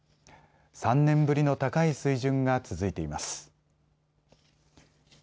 ３年ぶりの高い水準が続いています。